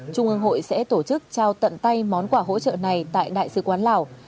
trung ương hội sẽ tổ chức trao tận tay món quà hỗ trợ này tại đại sứ quán lào